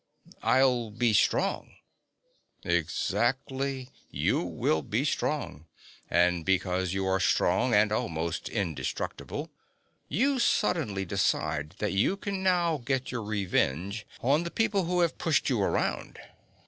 "I'll be strong." "Exactly. You will be strong. And because you are strong, and almost indestructible, you suddenly decide that you can now get your revenge on the people who have pushed you around."